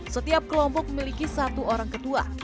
setiap kelompok memiliki satu orang ketua